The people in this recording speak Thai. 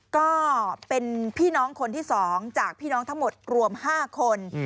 ก็เป็นพี่น้องคนที่๒จากพี่น้องทั้งหมดรวม๕คน